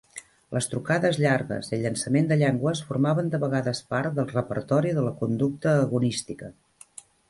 Les trucades llargues i el llançament de llengües formaven de vegades part del repertori de la conducta agonística.